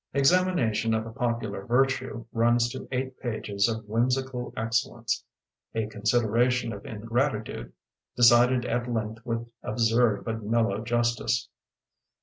"Examination of a Popular Virtue" runs to eight pages of whim sical excellence — a consideration of in gratitude decided at length with ab surd but mellow justice.